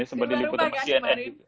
di luar rumah gak kemarin